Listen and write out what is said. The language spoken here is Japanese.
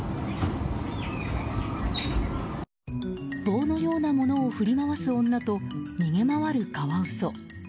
棒のようなものを振り回す女と逃げ回るカワウソ。